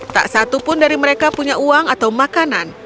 tak satu pun dari mereka punya uang atau makanan